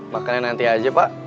makanan nanti aja pak